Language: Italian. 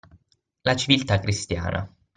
La civiltà cristiana.